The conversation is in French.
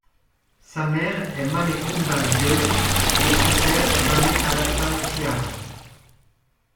Sa mère est Mame Coumba Ndoye et son père Mame Alassane Thiaw.